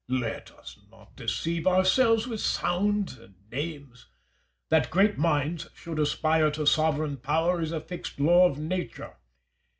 Caesar. Let us not deceive ourselves with sounds and names. That great minds should aspire to sovereign power is a fixed law of Nature.